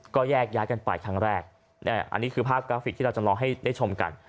ก็แยกย้ายกันไปครั้งแรกอันนี้คือภาพกราฟิกที่เราจะรอให้ได้ชมกัน